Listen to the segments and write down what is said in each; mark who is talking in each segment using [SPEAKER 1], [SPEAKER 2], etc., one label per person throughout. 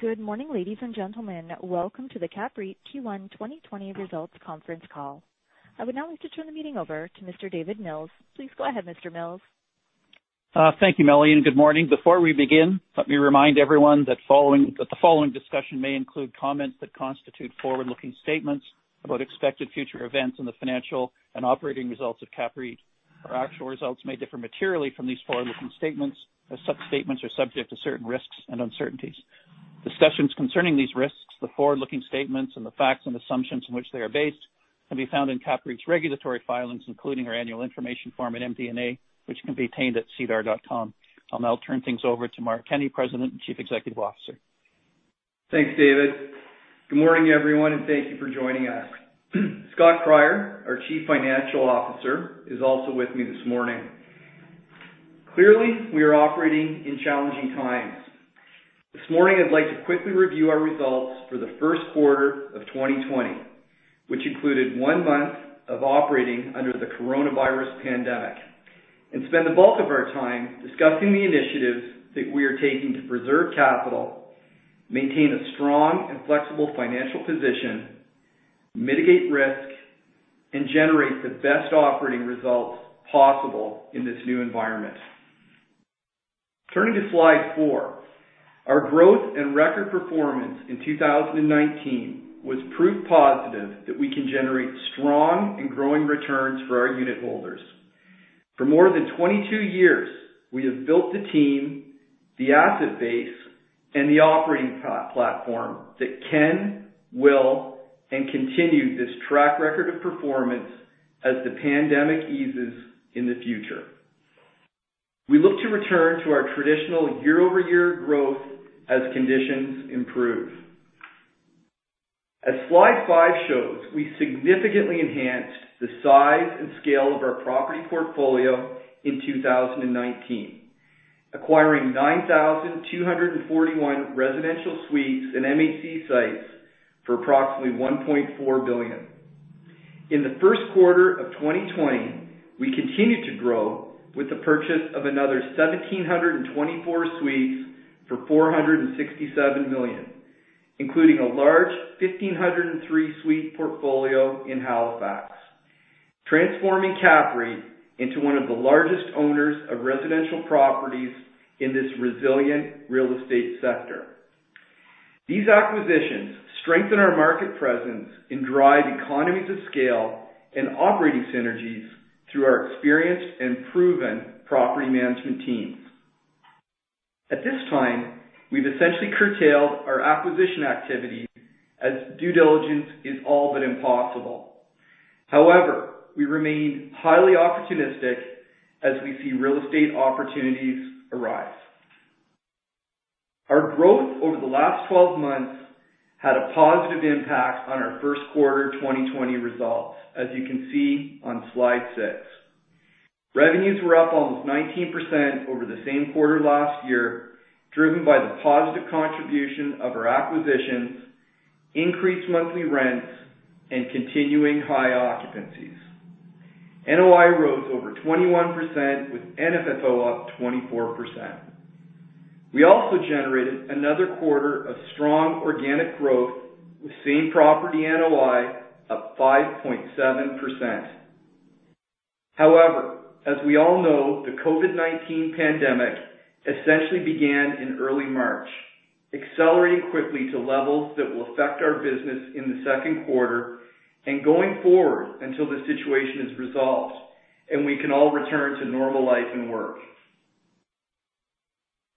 [SPEAKER 1] Good morning, ladies and gentlemen. Welcome to the CAPREIT Q1 2020 Results Conference Call. I would now like to turn the meeting over to Mr. David Mills. Please go ahead, Mr. Mills.
[SPEAKER 2] Thank you, Melanie, and good morning. Before we begin, let me remind everyone that the following discussion may include comments that constitute forward-looking statements about expected future events and the financial and operating results of CAPREIT. Our actual results may differ materially from these forward-looking statements, as such statements are subject to certain risks and uncertainties. Discussions concerning these risks, the forward-looking statements, and the facts and assumptions on which they are based, can be found in CAPREIT's regulatory filings, including our annual information form and MD&A, which can be obtained at sedar.com. I'll now turn things over to Mark Kenney, President and Chief Executive Officer.
[SPEAKER 3] Thanks, David. Good morning, everyone, thank you for joining us. Scott Cryer, our Chief Financial Officer, is also with me this morning. Clearly, we are operating in challenging times. This morning, I'd like to quickly review our results for the first quarter of 2020, which included one month of operating under the coronavirus pandemic, and spend the bulk of our time discussing the initiatives that we are taking to preserve capital, maintain a strong and flexible financial position, mitigate risk, and generate the best operating results possible in this new environment. Turning to slide four. Our growth and record performance in 2019 was proof positive that we can generate strong and growing returns for our unit holders. For more than 22 years, we have built the team, the asset base, and the operating platform that can, will, and continue this track record of performance as the pandemic eases in the future. We look to return to our traditional year-over-year growth as conditions improve. As slide five shows, we significantly enhanced the size and scale of our property portfolio in 2019, acquiring 9,241 residential suites and MHC sites for approximately 1.4 billion. In the first quarter of 2020, we continued to grow with the purchase of another 1,724 suites for 467 million, including a large 1,503 suite portfolio in Halifax, transforming CAPREIT into one of the largest owners of residential properties in this resilient real estate sector. These acquisitions strengthen our market presence and drive economies of scale and operating synergies through our experienced and proven property management teams. At this time, we've essentially curtailed our acquisition activity as due diligence is all but impossible. However, we remain highly opportunistic as we see real estate opportunities arise. Our growth over the last 12 months had a positive impact on our first quarter 2020 results, as you can see on slide six. Revenues were up almost 19% over the same quarter last year, driven by the positive contribution of our acquisitions, increased monthly rents, and continuing high occupancies. NOI rose over 21%, with FFO up 24%. We also generated another quarter of strong organic growth, with same property NOI up 5.7%. However, as we all know, the COVID-19 pandemic essentially began in early March, accelerating quickly to levels that will affect our business in the second quarter and going forward until the situation is resolved and we can all return to normal life and work.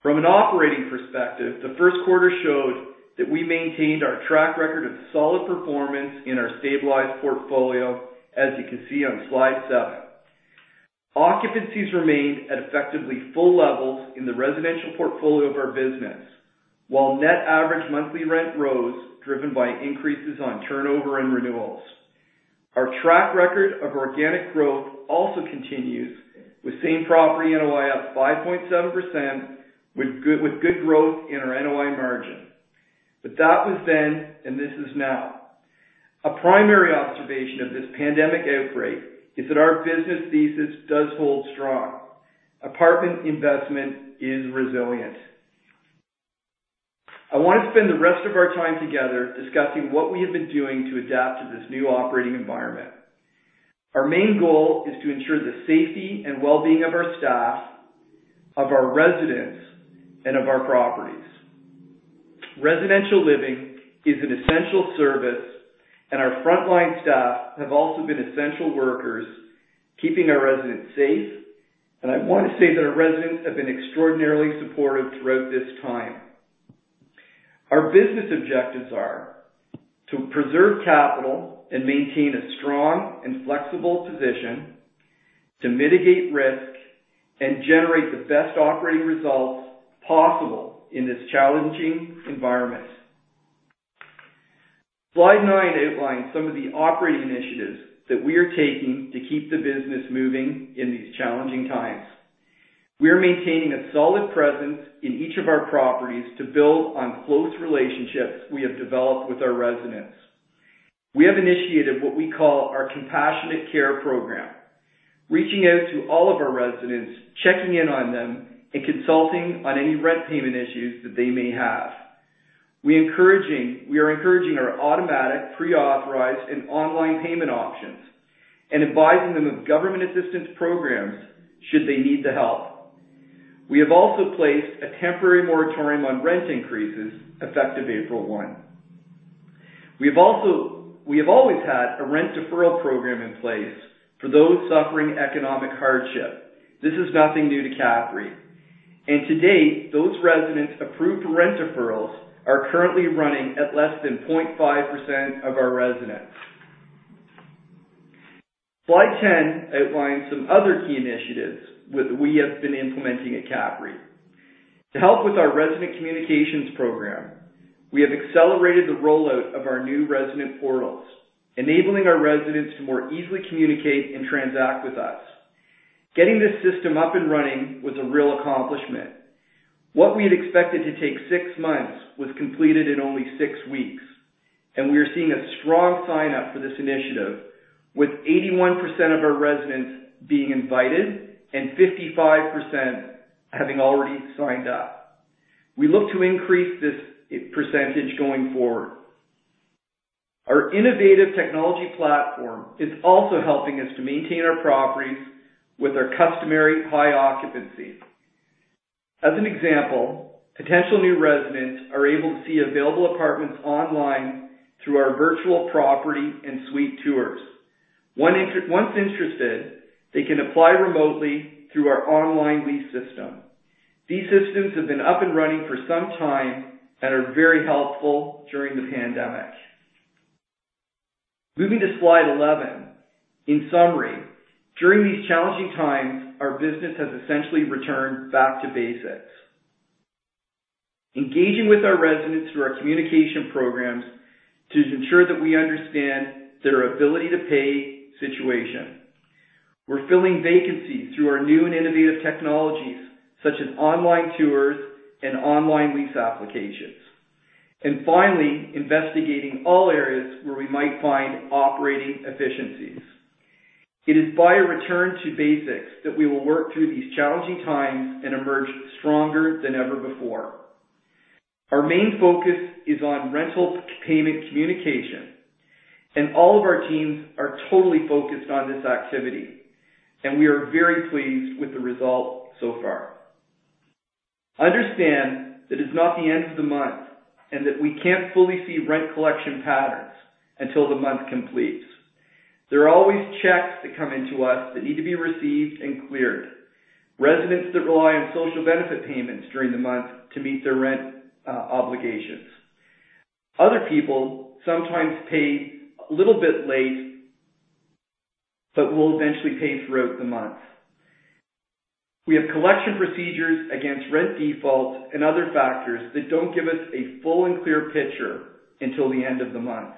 [SPEAKER 3] From an operating perspective, the first quarter showed that we maintained our track record of solid performance in our stabilized portfolio, as you can see on slide seven. Occupancies remained at effectively full levels in the residential portfolio of our business, while net average monthly rent rose, driven by increases on turnover and renewals. Our track record of organic growth also continues, with Same-Property NOI up 5.7%, with good growth in our NOI margin. That was then, and this is now. A primary observation of this pandemic outbreak is that our business thesis does hold strong. Apartment investment is resilient. I want to spend the rest of our time together discussing what we have been doing to adapt to this new operating environment. Our main goal is to ensure the safety and well-being of our staff, of our residents, and of our properties. Residential living is an essential service. Our frontline staff have also been essential workers, keeping our residents safe. I want to say that our residents have been extraordinarily supportive throughout this time. Our business objectives are to preserve capital and maintain a strong and flexible position, to mitigate risk, generate the best operating results possible in this challenging environment. Slide nine outlines some of the operating initiatives that we are taking to keep the business moving in these challenging times. We are maintaining a solid presence in each of our properties to build on close relationships we have developed with our residents. We have initiated what we call our Compassionate Care Program, reaching out to all of our residents, checking in on them, and consulting on any rent payment issues that they may have. We are encouraging our automatic, pre-authorized, and online payment options and advising them of government assistance programs should they need the help. We have also placed a temporary moratorium on rent increases effective April 1. We have always had a rent deferral program in place for those suffering economic hardship. This is nothing new to CAPREIT. To date, those residents approved for rent deferrals are currently running at less than 0.5% of our residents. Slide 10 outlines some other key initiatives we have been implementing at CAPREIT. To help with our resident communications program, we have accelerated the rollout of our new resident portals, enabling our residents to more easily communicate and transact with us. Getting this system up and running was a real accomplishment. What we had expected to take six months was completed in only six weeks, and we are seeing a strong sign-up for this initiative, with 81% of our residents being invited and 55% having already signed up. We look to increase this percentage going forward. Our innovative technology platform is also helping us to maintain our properties with our customary high occupancy. As an example, potential new residents are able to see available apartments online through our virtual property and suite tours. Once interested, they can apply remotely through our online lease system. These systems have been up and running for some time and are very helpful during the pandemic. Moving to slide 11. In summary, during these challenging times, our business has essentially returned back to basics. Engaging with our residents through our communication programs to ensure that we understand their ability to pay situation. We're filling vacancies through our new and innovative technologies, such as online tours and online lease applications. Finally, investigating all areas where we might find operating efficiencies. It is by a return to basics that we will work through these challenging times and emerge stronger than ever before. Our main focus is on rental payment communication, and all of our teams are totally focused on this activity, and we are very pleased with the result so far. Understand that it's not the end of the month, and that we can't fully see rent collection patterns until the month completes. There are always checks that come in to us that need to be received and cleared, residents that rely on social benefit payments during the month to meet their rent obligations. Other people sometimes pay a little bit late, but will eventually pay throughout the month. We have collection procedures against rent defaults and other factors that don't give us a full and clear picture until the end of the month.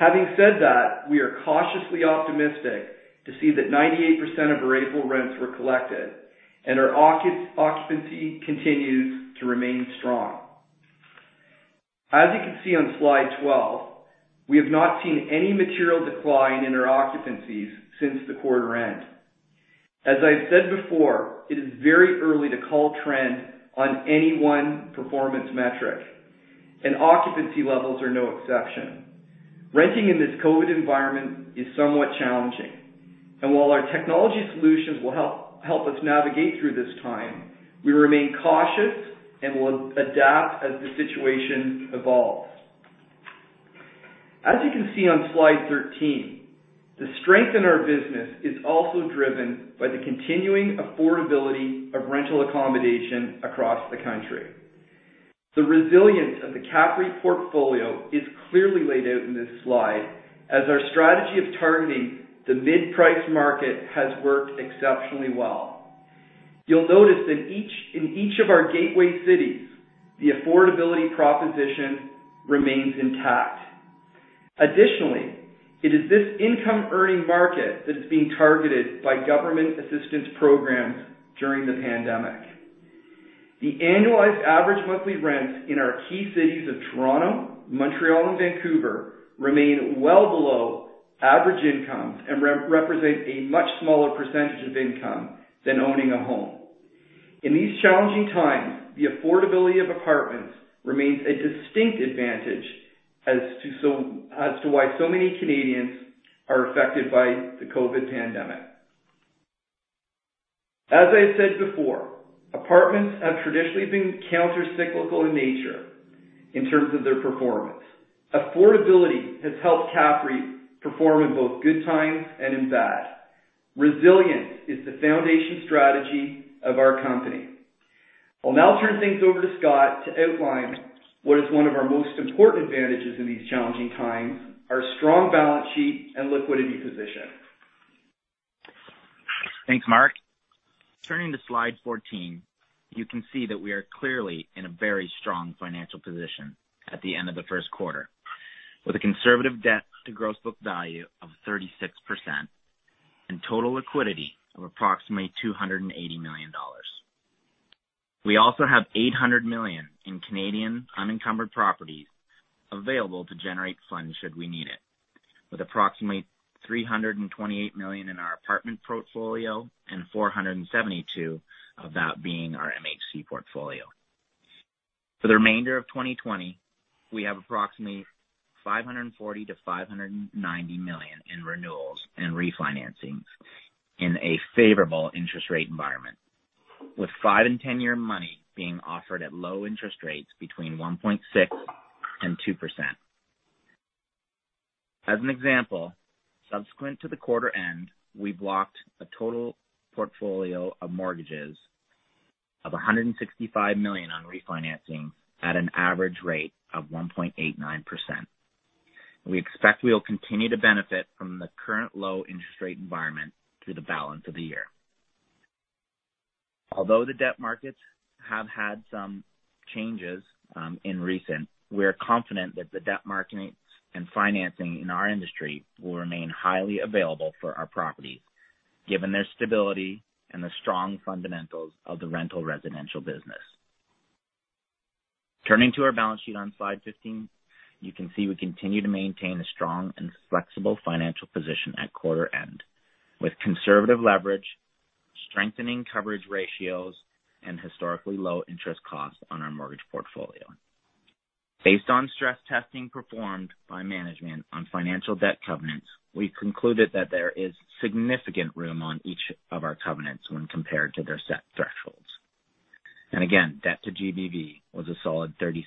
[SPEAKER 3] Having said that, we are cautiously optimistic to see that 98% of our April rents were collected, and our occupancy continues to remain strong. As you can see on slide 12, we have not seen any material decline in our occupancies since the quarter end. As I've said before, it is very early to call trend on any one performance metric, and occupancy levels are no exception. Renting in this COVID-19 environment is somewhat challenging, and while our technology solutions will help us navigate through this time, we remain cautious and will adapt as the situation evolves. As you can see on slide 13, the strength in our business is also driven by the continuing affordability of rental accommodation across the country. The resilience of the CAPREIT portfolio is clearly laid out in this slide, as our strategy of targeting the mid-price market has worked exceptionally well. You'll notice in each of our gateway cities, the affordability proposition remains intact. Additionally, it is this income-earning market that is being targeted by government assistance programs during the pandemic. The annualized average monthly rents in our key cities of Toronto, Montreal, and Vancouver remain well below average incomes and represent a much smaller percentage of income than owning a home. In these challenging times, the affordability of apartments remains a distinct advantage as to why so many Canadians are affected by the COVID-19 pandemic. As I said before, apartments have traditionally been counter-cyclical in nature in terms of their performance. Affordability has helped CAPREIT perform in both good times and in bad. Resilience is the foundation strategy of our company. I'll now turn things over to Scott to outline what is one of our most important advantages in these challenging times, our strong balance sheet and liquidity position.
[SPEAKER 4] Thanks, Mark. Turning to slide 14, you can see that we are clearly in a very strong financial position at the end of the first quarter, with a conservative debt to gross book value of 36% and total liquidity of approximately 280 million dollars. We also have 800 million in Canadian unencumbered properties available to generate funds should we need it, with approximately 328 million in our apartment portfolio and 472 million of that being our MHC portfolio. For the remainder of 2020, we have approximately 540 million-590 million in renewals and refinancings in a favorable interest rate environment, with five- and ten-year money being offered at low interest rates between 1.6% and 2%. As an example, subsequent to the quarter end, we blocked a total portfolio of mortgages of 165 million on refinancing at an average rate of 1.89%. We expect we will continue to benefit from the current low interest rate environment through the balance of the year. Although the debt markets have had some changes in recent, we are confident that the debt markets and financing in our industry will remain highly available for our properties, given their stability and the strong fundamentals of the rental residential business. Turning to our balance sheet on slide 15, you can see we continue to maintain a strong and flexible financial position at quarter end with conservative leverage, strengthening coverage ratios, and historically low interest costs on our mortgage portfolio. Based on stress testing performed by management on financial debt covenants, we concluded that there is significant room on each of our covenants when compared to their set thresholds. Again, debt to GBV was a solid 36%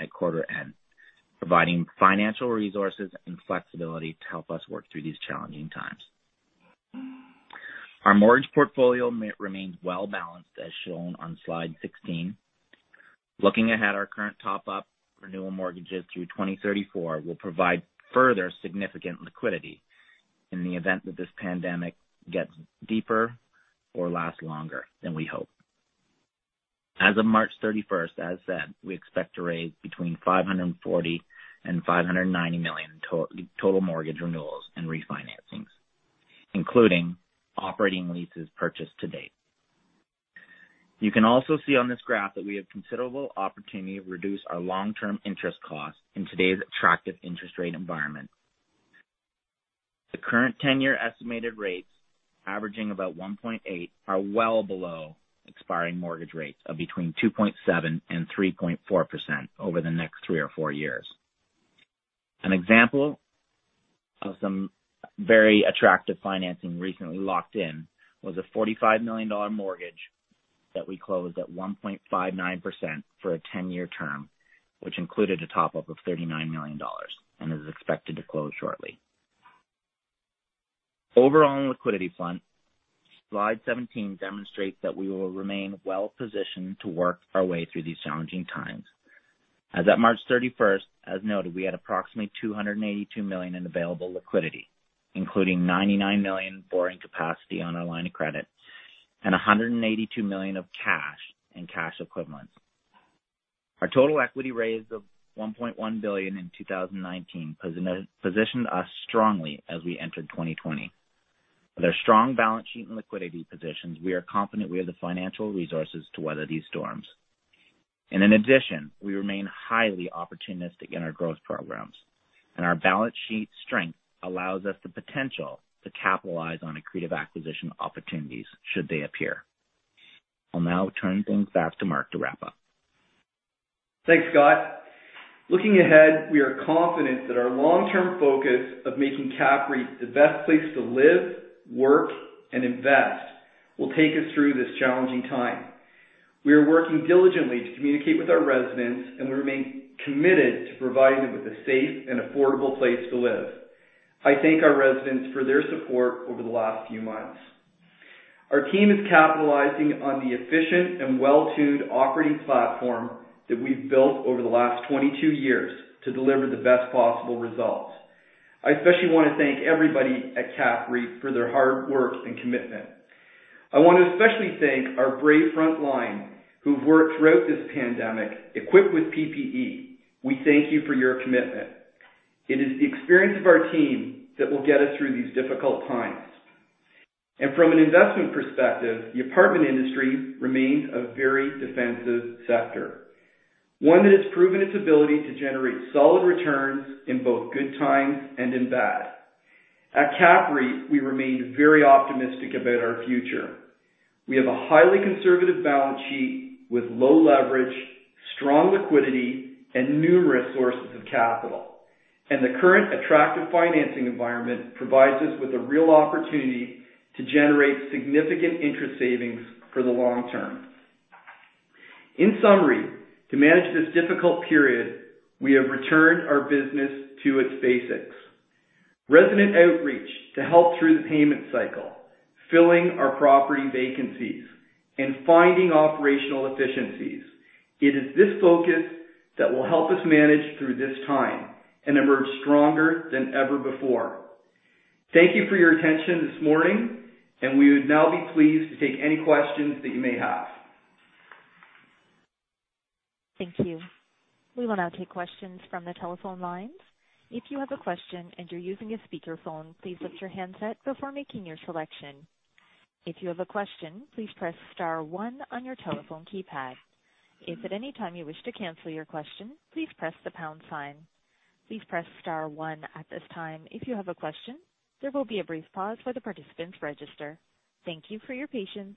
[SPEAKER 4] at quarter end, providing financial resources and flexibility to help us work through these challenging times. Our mortgage portfolio remains well-balanced, as shown on slide 16. Looking ahead, our current top-up renewal mortgages through 2034 will provide further significant liquidity in the event that this pandemic gets deeper or lasts longer than we hope. As of March 31st, as said, we expect to raise between 540 million and 590 million total mortgage renewals and refinancings, including operating leases purchased to date. You can also see on this graph that we have considerable opportunity to reduce our long-term interest costs in today's attractive interest rate environment. The current 10-year estimated rates, averaging about 1.8%, are well below expiring mortgage rates of between 2.7%-3.4% over the next three or four years. An example of some very attractive financing recently locked in was a 45 million dollar mortgage that we closed at 1.59% for a 10-year term, which included a top-up of 39 million dollars and is expected to close shortly. Overall liquidity front, slide 17 demonstrates that we will remain well-positioned to work our way through these challenging times. As at March 31st, as noted, we had approximately 282 million in available liquidity, including 99 million borrowing capacity on our line of credit and 182 million of cash and cash equivalents. Our total equity raise of 1.1 billion in 2019 positioned us strongly as we entered 2020. With our strong balance sheet and liquidity positions, we are confident we have the financial resources to weather these storms. In addition, we remain highly opportunistic in our growth programs, and our balance sheet strength allows us the potential to capitalize on accretive acquisition opportunities should they appear. I'll now turn things back to Mark to wrap up.
[SPEAKER 3] Thanks, Scott. Looking ahead, we are confident that our long-term focus of making CAPREIT the best place to live, work, and invest will take us through this challenging time. We are working diligently to communicate with our residents, and we remain committed to providing them with a safe and affordable place to live. I thank our residents for their support over the last few months. Our team is capitalizing on the efficient and well-tuned operating platform that we've built over the last 22 years to deliver the best possible results. I especially want to thank everybody at CAPREIT for their hard work and commitment. I want to especially thank our brave front line who've worked throughout this pandemic equipped with PPE. We thank you for your commitment. It is the experience of our team that will get us through these difficult times. From an investment perspective, the apartment industry remains a very defensive sector, one that has proven its ability to generate solid returns in both good times and in bad. At CAPREIT, we remain very optimistic about our future. We have a highly conservative balance sheet with low leverage, strong liquidity, and numerous sources of capital. The current attractive financing environment provides us with a real opportunity to generate significant interest savings for the long term. In summary, to manage this difficult period, we have returned our business to its basics. Resident outreach to help through the payment cycle, filling our property vacancies, and finding operational efficiencies. It is this focus that will help us manage through this time and emerge stronger than ever before. Thank you for your attention this morning, and we would now be pleased to take any questions that you may have.
[SPEAKER 1] Thank you. We will now take questions from the telephone lines. If you have a question and you're using a speakerphone, please mute your handset before making your selection. If you have a question, please press star one on your telephone keypad. If at any time you wish to cancel your question, please press the pound sign. Please press star one at this time if you have a question. There will be a brief pause for the participants register. Thank you for your patience.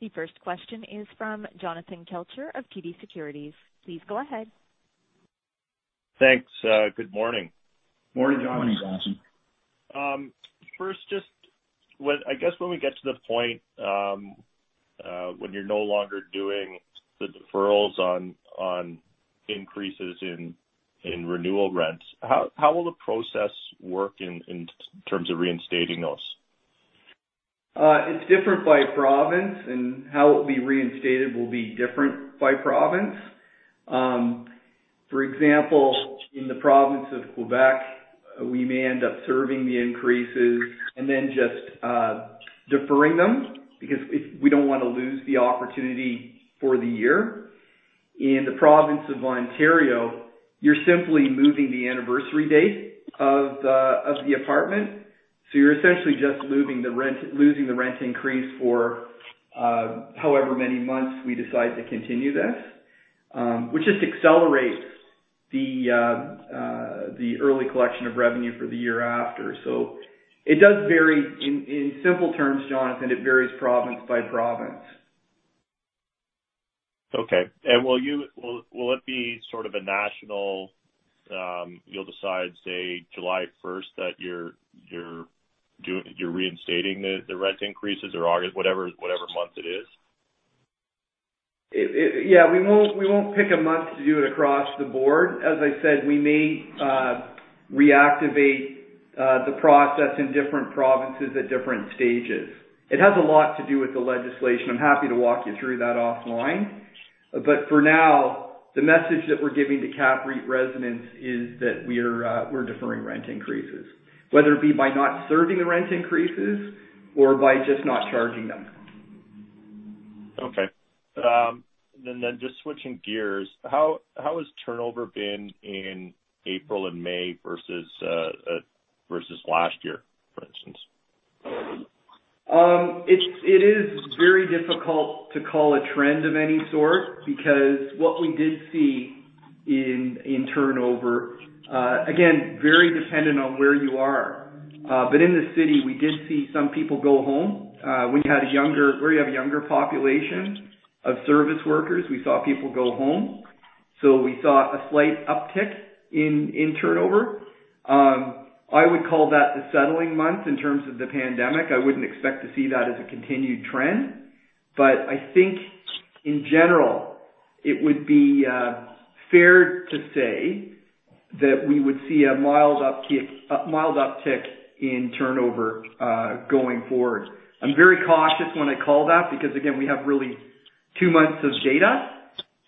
[SPEAKER 1] The first question is from Jonathan Kelcher of TD Securities. Please go ahead.
[SPEAKER 5] Thanks. Good morning.
[SPEAKER 3] Morning, Jonathan.
[SPEAKER 5] First, I guess when we get to the point when you're no longer doing the deferrals on increases in renewal rents, how will the process work in terms of reinstating those?
[SPEAKER 3] It's different by province, and how it will be reinstated will be different by province. For example, in the province of Quebec, we may end up serving the increases and then just deferring them, because we don't want to lose the opportunity for the year. In the province of Ontario, you're simply moving the anniversary date of the apartment. You're essentially just losing the rent increase for however many months we decide to continue this, which just accelerates the early collection of revenue for the year after. It does vary. In simple terms, Jonathan, it varies province by province.
[SPEAKER 5] Okay. Will it be sort of a national, you'll decide, say, July 1st, that you're reinstating the rent increases or August, whatever month it is?
[SPEAKER 3] Yeah. We won't pick a month to do it across the board. As I said, we may reactivate the process in different provinces at different stages. It has a lot to do with the legislation. I'm happy to walk you through that offline. For now, the message that we're giving to CAPREIT residents is that we're deferring rent increases, whether it be by not serving the rent increases or by just not charging them.
[SPEAKER 5] Okay. Just switching gears, how has turnover been in April and May versus last year, for instance?
[SPEAKER 3] It is very difficult to call a trend of any sort because what we did see in turnover, again, very dependent on where you are. In the city, we did see some people go home. Where you have a younger population of service workers, we saw people go home. We saw a slight uptick in turnover. I would call that the settling month in terms of the pandemic. I wouldn't expect to see that as a continued trend. I think in general, it would be fair to say that we would see a mild uptick in turnover, going forward. I'm very cautious when I call that because, again, we have really two months of data.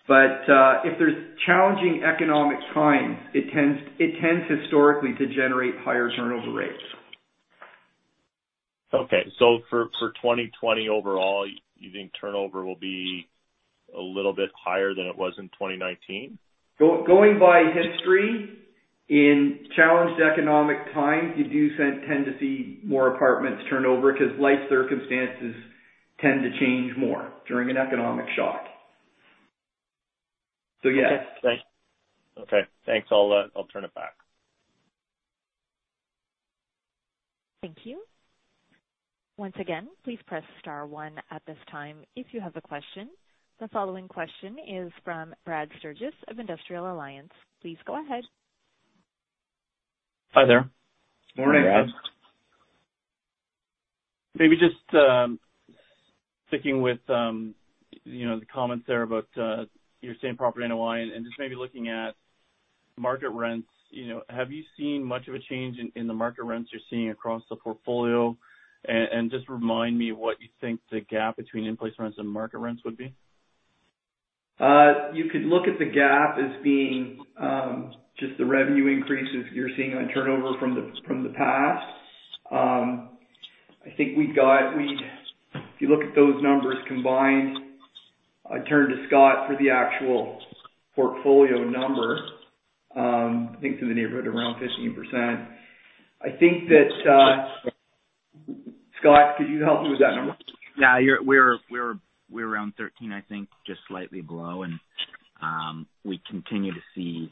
[SPEAKER 3] If there's challenging economic times, it tends historically to generate higher turnover rates.
[SPEAKER 5] Okay. For 2020 overall, you think turnover will be a little bit higher than it was in 2019?
[SPEAKER 3] Going by history, in challenged economic times, you do tend to see more apartments turnover because life circumstances tend to change more during an economic shock. Yes.
[SPEAKER 5] Okay, thanks. I'll turn it back.
[SPEAKER 1] Thank you. Once again, please press star one at this time if you have a question. The following question is from Brad Sturges of Industrial Alliance. Please go ahead.
[SPEAKER 6] Hi there.
[SPEAKER 3] Morning, Brad.
[SPEAKER 6] Maybe just sticking with the comments there about your Same-Property NOI and just maybe looking at market rents. Have you seen much of a change in the market rents you're seeing across the portfolio? Just remind me what you think the gap between in-place rents and market rents would be.
[SPEAKER 3] You could look at the gap as being just the revenue increases you are seeing on turnover from the past. If you look at those numbers combined, I would turn to Scott for the actual portfolio number. I think it is in the neighborhood around 15%. Scott, could you help me with that number?
[SPEAKER 4] Yeah. We're around 13%, I think, just slightly below. We continue to see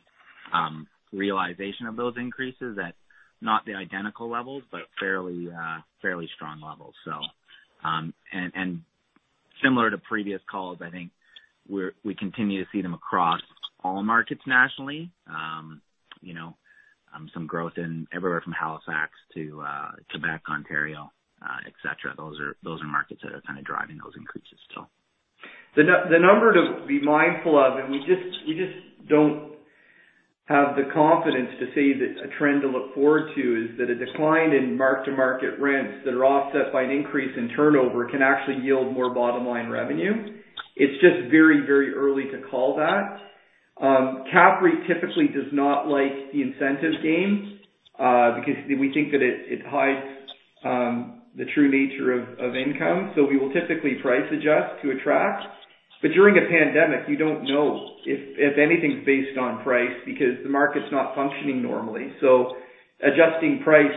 [SPEAKER 4] realization of those increases at not the identical levels, but fairly strong levels. Similar to previous calls, I think, we continue to see them across all markets nationally. Some growth in everywhere from Halifax to Quebec, Ontario, et cetera. Those are markets that are kind of driving those increases.
[SPEAKER 3] The number to be mindful of, we just don't have the confidence to say that a trend to look forward to is that a decline in mark-to-market rents that are offset by an increase in turnover can actually yield more bottom-line revenue. It's just very early to call that. CAPREIT typically does not like the incentive game, because we think that it hides the true nature of income. We will typically price adjust to attract. During a pandemic, you don't know if anything's based on price because the market's not functioning normally. Adjusting price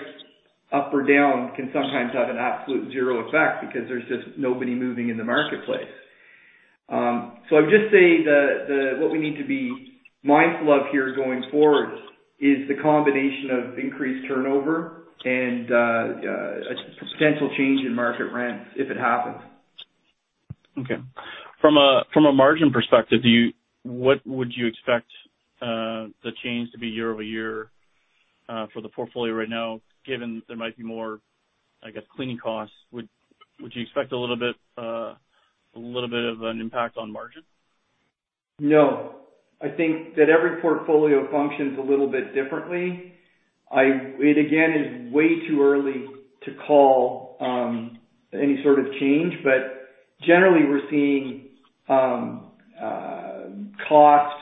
[SPEAKER 3] up or down can sometimes have an absolute zero effect because there's just nobody moving in the marketplace. I would just say that what we need to be mindful of here going forward is the combination of increased turnover and a substantial change in market rents if it happens.
[SPEAKER 6] Okay. From a margin perspective, what would you expect the change to be year-over-year for the portfolio right now, given there might be more, I guess, cleaning costs? Would you expect a little bit of an impact on margin?
[SPEAKER 3] No. I think that every portfolio functions a little bit differently. It again, is way too early to call any sort of change, but generally we're seeing cost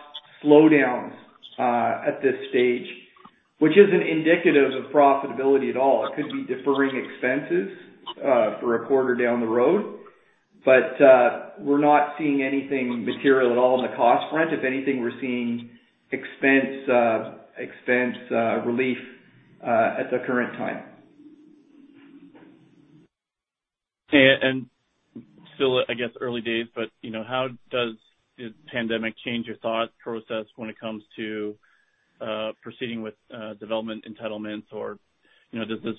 [SPEAKER 3] slowdowns at this stage, which isn't indicative of profitability at all. It could be deferring expenses for a quarter down the road. We're not seeing anything material at all on the cost front. If anything, we're seeing expense relief at the current time.
[SPEAKER 6] Still, I guess early days, how does the pandemic change your thought process when it comes to proceeding with development entitlements or on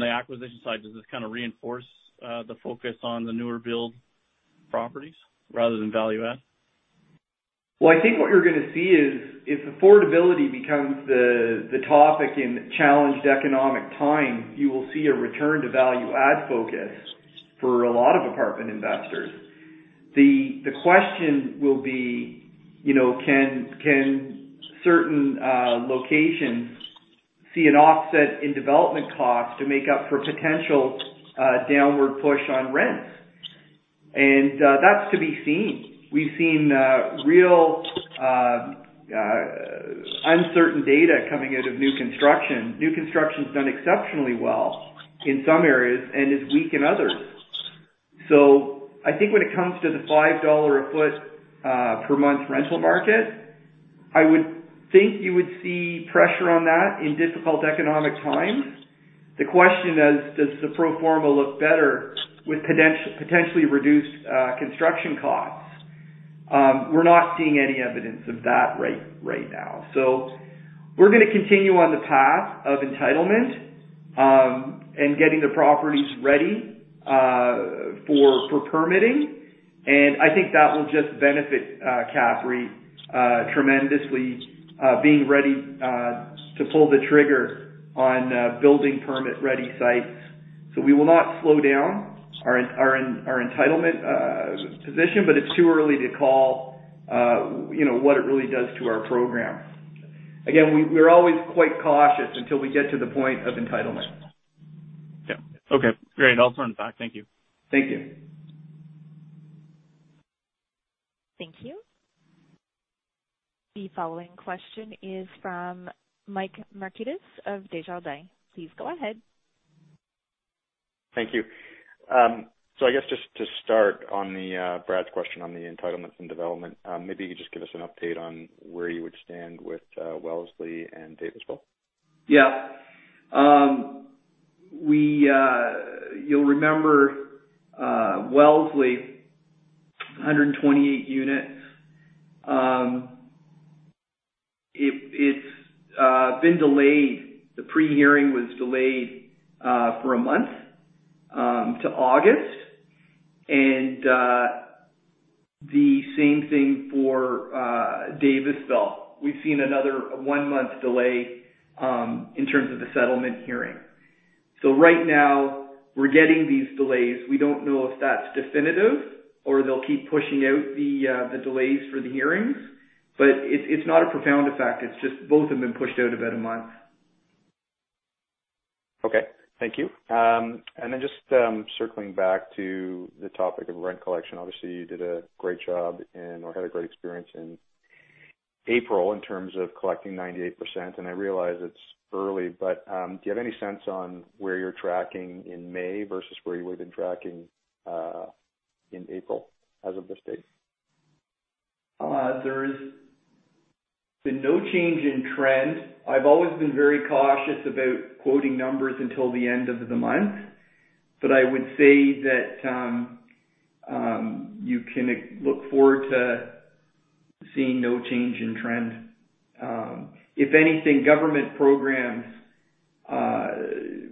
[SPEAKER 6] the acquisition side, does this kind of reinforce the focus on the newer build properties rather than value add?
[SPEAKER 3] Well, I think what you're going to see is if affordability becomes the topic in challenged economic times, you will see a return to value add focus for a lot of apartment investors. The question will be, can certain locations see an offset in development costs to make up for potential downward push on rents? That's to be seen. We've seen real uncertain data coming out of new construction. New construction's done exceptionally well in some areas and is weak in others. I think when it comes to the 5 dollar a foot per month rental market, I would think you would see pressure on that in difficult economic times. The question is, does the pro forma look better with potentially reduced construction costs? We're not seeing any evidence of that right now. We're going to continue on the path of entitlement, and getting the properties ready for permitting. I think that will just benefit CAPREIT tremendously, being ready to pull the trigger on building permit-ready sites. We will not slow down our entitlement position, but it's too early to call what it really does to our program. Again, we're always quite cautious until we get to the point of entitlement.
[SPEAKER 6] Yeah. Okay, great. I'll turn it back. Thank you.
[SPEAKER 3] Thank you.
[SPEAKER 1] Thank you. The following question is from Michael Markidis of Desjardins. Please go ahead.
[SPEAKER 7] Thank you. I guess just to start on Brad's question on the entitlements and development, maybe you could just give us an update on where you would stand with Wellesley and Davisville.
[SPEAKER 3] Yeah. You'll remember, Wellesley, 128 units. It's been delayed. The pre-hearing was delayed for a month to August. The same thing for Davisville. We've seen another one-month delay in terms of the settlement hearing. Right now we're getting these delays. We don't know if that's definitive or they'll keep pushing out the delays for the hearings. It's not a profound effect. It's just both have been pushed out about a month.
[SPEAKER 7] Okay. Thank you. Just circling back to the topic of rent collection. Obviously, you did a great job or had a great experience in April in terms of collecting 98%. I realize it's early, but do you have any sense on where you're tracking in May versus where you would have been tracking in April as of this date?
[SPEAKER 3] There has been no change in trend. I've always been very cautious about quoting numbers until the end of the month. I would say that you can look forward to seeing no change in trend. If anything, government programs,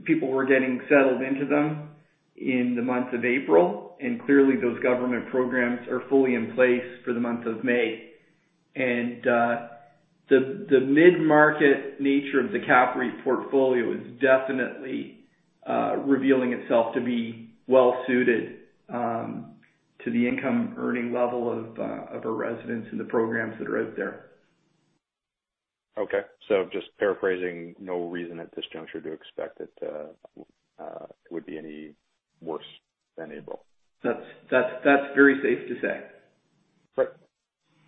[SPEAKER 3] people were getting settled into them in the month of April, and clearly those government programs are fully in place for the month of May. The mid-market nature of the CAPREIT portfolio is definitely revealing itself to be well-suited to the income-earning level of our residents and the programs that are out there.
[SPEAKER 7] Okay. Just paraphrasing, no reason at this juncture to expect that it would be any worse than April.
[SPEAKER 3] That's very safe to say.
[SPEAKER 7] Right.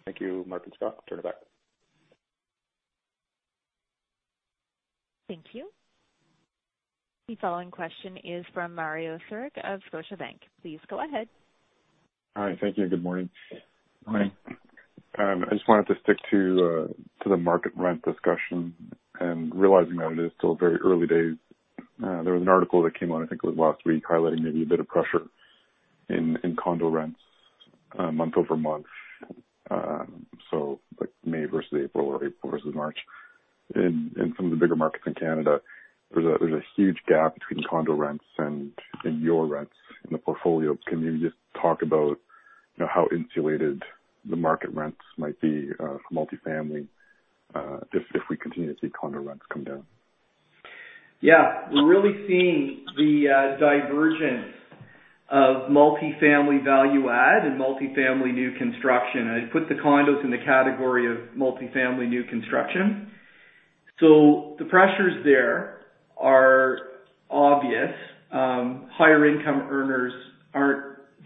[SPEAKER 7] Thank you, Mark and Scott. I'll turn it back.
[SPEAKER 1] Thank you. The following question is from Mario Saric of Scotiabank. Please go ahead.
[SPEAKER 8] Hi. Thank you and good morning.
[SPEAKER 3] Morning.
[SPEAKER 8] I just wanted to stick to the market rent discussion and realizing that it is still very early days. There was an article that came out, I think it was last week, highlighting maybe a bit of pressure in condo rents month-over-month. Like May versus April or April versus March. In some of the bigger markets in Canada, there's a huge gap between condo rents and your rents in the portfolio. Can you just talk about how insulated the market rents might be for multifamily, if we continue to see condo rents come down?
[SPEAKER 3] Yeah. We're really seeing the divergence of multifamily value add and multifamily new construction. I'd put the condos in the category of multifamily new construction. The pressures there are obvious. Higher income earners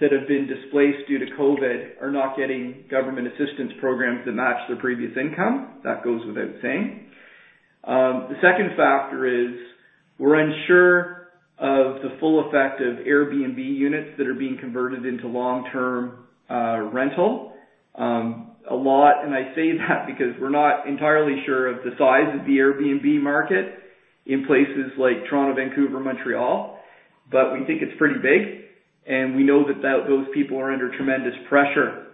[SPEAKER 3] that have been displaced due to COVID-19 are not getting government assistance programs that match their previous income. That goes without saying. The second factor is we're unsure of the full effect of Airbnb units that are being converted into long-term rental. I say that because we're not entirely sure of the size of the Airbnb market in places like Toronto, Vancouver, Montreal, but we think it's pretty big, and we know that those people are under tremendous pressure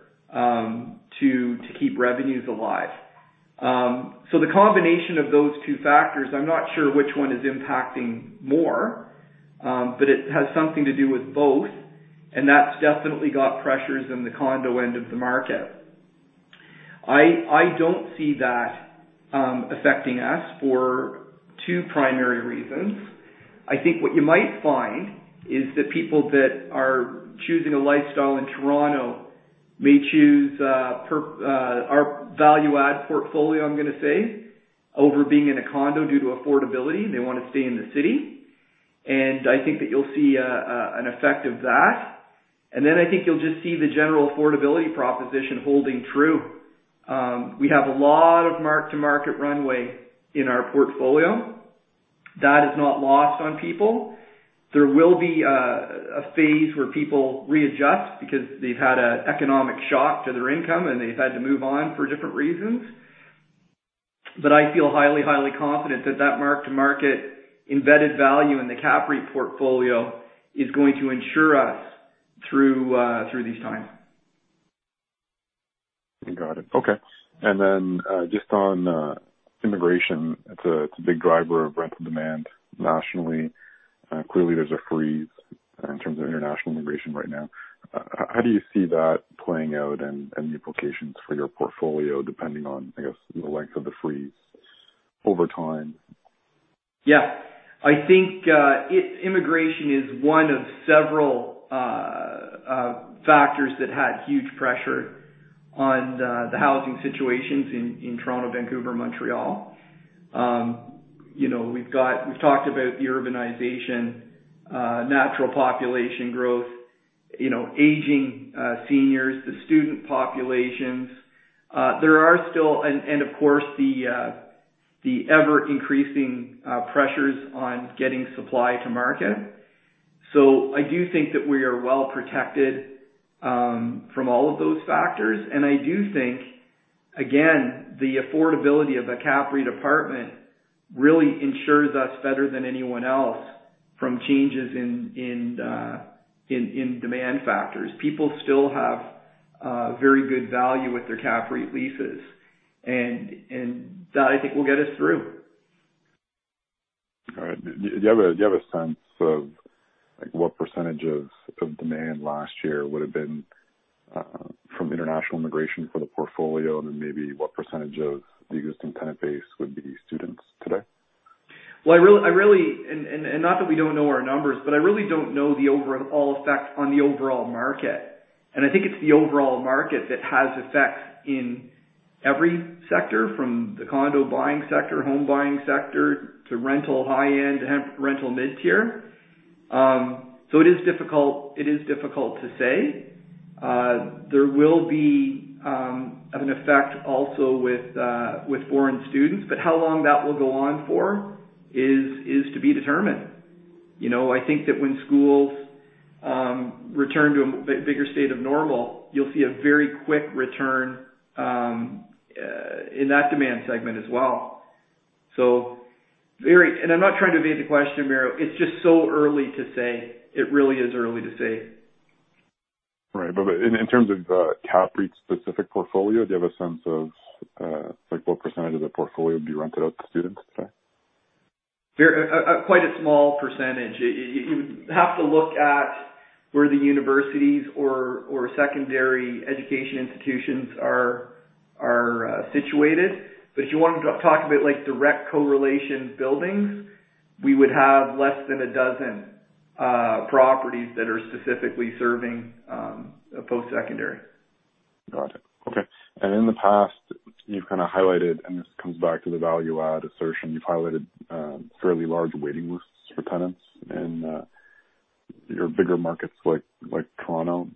[SPEAKER 3] to keep revenues alive. The combination of those two factors, I'm not sure which one is impacting more, but it has something to do with both. That's definitely got pressures in the condo end of the market. I don't see that affecting us for two primary reasons. I think what you might find is that people that are choosing a lifestyle in Toronto may choose our value add portfolio, I'm going to say, over being in a condo due to affordability, and they want to stay in the city. I think that you'll see an effect of that. I think you'll just see the general affordability proposition holding true. We have a lot of mark-to-market runway in our portfolio. That is not lost on people. There will be a phase where people readjust because they've had an economic shock to their income and they've had to move on for different reasons. I feel highly confident that that mark-to-market embedded value in the CAPREIT portfolio is going to insure us through these times.
[SPEAKER 8] Got it. Okay. Just on immigration, it's a big driver of rental demand nationally. Clearly, there's a freeze in terms of international immigration right now. How do you see that playing out and the implications for your portfolio, depending on, I guess, the length of the freeze over time?
[SPEAKER 3] Yeah. I think immigration is one of several factors that had huge pressure on the housing situations in Toronto, Vancouver, Montreal. We've talked about the urbanization, natural population growth, aging seniors, the student populations. There are, of course, the ever-increasing pressures on getting supply to market. I do think that we are well-protected from all of those factors. I do think, again, the affordability of a CAPREIT apartment really insures us better than anyone else from changes in demand factors. People still have very good value with their CAPREIT leases, and that, I think, will get us through.
[SPEAKER 8] All right. Do you have a sense of what % of demand last year would've been from international immigration for the portfolio? Maybe what % of the existing tenant base would be students today?
[SPEAKER 3] Not that we don't know our numbers, but I really don't know the overall effect on the overall market. I think it's the overall market that has effects in every sector, from the condo buying sector, home buying sector, to rental high-end, to rental mid-tier. It is difficult to say. There will be an effect also with foreign students, but how long that will go on for is to be determined. I think that when schools return to a bigger state of normal, you'll see a very quick return in that demand segment as well. I'm not trying to evade the question, Mario. It's just so early to say. It really is early to say.
[SPEAKER 8] Right. In terms of CAPREIT's specific portfolio, do you have a sense of what percentage of the portfolio would be rented out to students today?
[SPEAKER 3] Quite a small percentage. You have to look at where the universities or secondary education institutions are situated. If you wanted to talk about direct correlation buildings, we would have less than a dozen properties that are specifically serving post-secondary.
[SPEAKER 8] Got it. Okay. In the past, you've kind of highlighted, and this comes back to the value add assertion, you've highlighted fairly large waiting lists for tenants in your bigger markets like Toronto.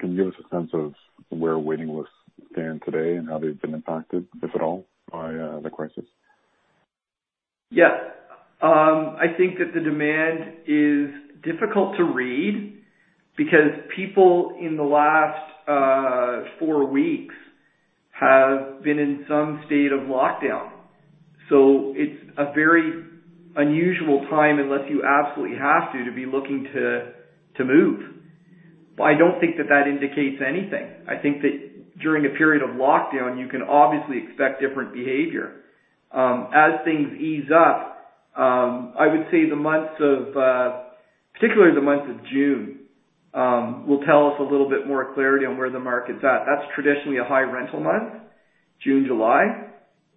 [SPEAKER 8] Can you give us a sense of where waiting lists stand today and how they've been impacted, if at all, by the crisis?
[SPEAKER 3] Yeah. I think that the demand is difficult to read because people in the last four weeks have been in some state of lockdown. It's a very unusual time unless you absolutely have to be looking to move. I don't think that that indicates anything. I think that during a period of lockdown, you can obviously expect different behavior. As things ease up, I would say particularly the month of June, will tell us a little bit more clarity on where the market's at. That's traditionally a high rental month, June, July,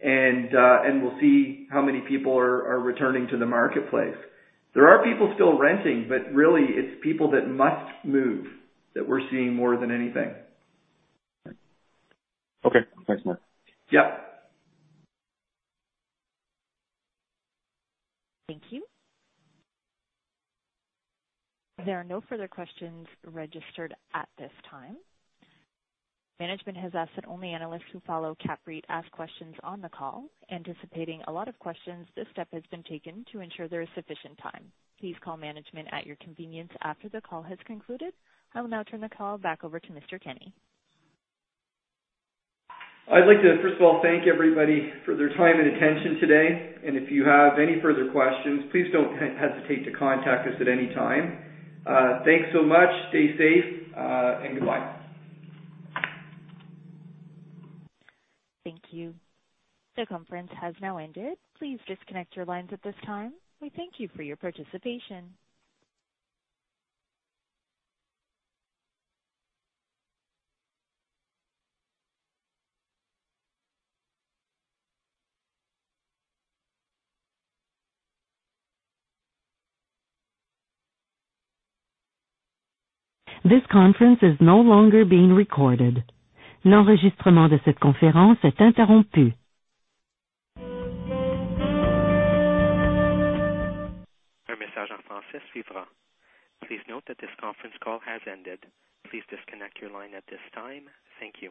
[SPEAKER 3] and we'll see how many people are returning to the marketplace. There are people still renting, but really it's people that must move that we're seeing more than anything.
[SPEAKER 8] Okay. Thanks, Mark.
[SPEAKER 3] Yep.
[SPEAKER 1] Thank you. There are no further questions registered at this time. Management has asked that only analysts who follow CAPREIT ask questions on the call. Anticipating a lot of questions, this step has been taken to ensure there is sufficient time. Please call management at your convenience after the call has concluded. I will now turn the call back over to Mr. Kenney.
[SPEAKER 3] I'd like to first of all thank everybody for their time and attention today. If you have any further questions, please don't hesitate to contact us at any time. Thanks so much, stay safe, and goodbye.
[SPEAKER 1] Thank you. The conference has now ended. Please disconnect your lines at this time. We thank you for your participation. This conference is no longer being recorded.
[SPEAKER 9] Please note that this conference call has ended. Please disconnect your line at this time. Thank you.